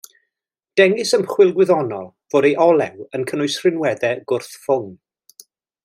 Dengys ymchwil gwyddonol fod ei olew yn cynnwys rhinweddau gwrth-ffwng.